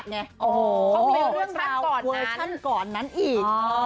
โอ้โหเขาเรียกเรื่องราวเวอร์ชั่นก่อนนั้นอีก